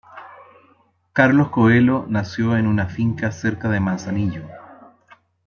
Carlos Coello nació en una finca cerca de Manzanillo.